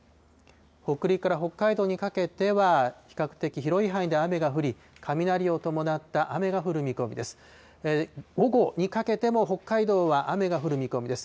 北陸から北海道にかけては、比較的広い範囲で雨が降り、雷を伴った雨が降る見込みです。